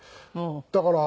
だから。